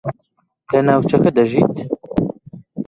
لە ناوچەکە دەژیت؟